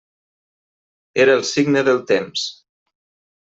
Era el signe del temps.